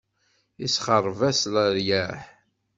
Isexṛeb-as leryaḥ.